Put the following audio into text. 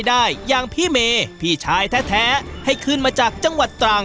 ซึ่งจากเหตุการณ์นั่นเอง